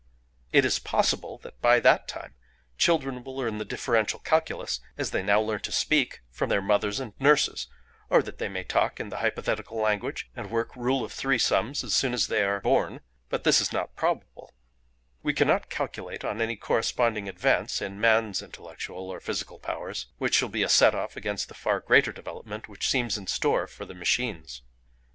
"It is possible that by that time children will learn the differential calculus—as they learn now to speak—from their mothers and nurses, or that they may talk in the hypothetical language, and work rule of three sums, as soon as they are born; but this is not probable; we cannot calculate on any corresponding advance in man's intellectual or physical powers which shall be a set off against the far greater development which seems in store for the machines.